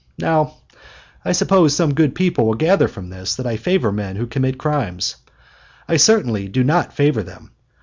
Now I suppose some good people will gather from this that I favor men who commit crimes. I certainly do not favor them.